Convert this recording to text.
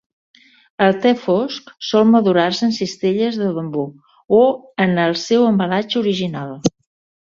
El te fosc sol madurar-se en cistelles de bambú o en el seu embalatge original.